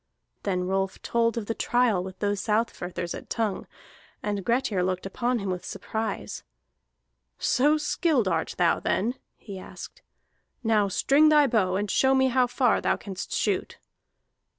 Then Rolf told of the trial with those Southfirthers at Tongue, and Grettir looked upon him with surprise. "So skilled art thou then?" he asked. "Now string thy bow, and show me how far thou canst shoot."